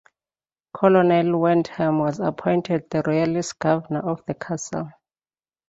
Colonel Wyndham was appointed the Royalist governor of the castle.